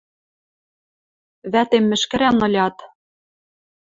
Вӓтем мӹшкӹрӓн ылят...